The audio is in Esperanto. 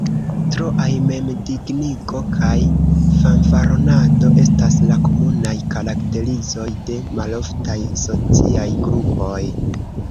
Troaj mem-dignigo kaj fanfaronado estas la komunaj karakterizoj de malfortaj sociaj grupoj.